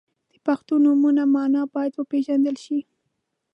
• د پښتو نومونو مانا باید وپیژندل شي.